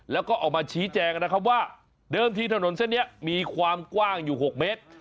แล้วก็ออกมาชี้แจงนะครับว่าเดิมที่ถนนเส้นนี้มีความกว้างอยู่๖เมตร